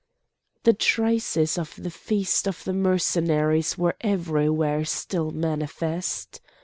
The traces of the feast of the Mercenaries were everywhere still manifest.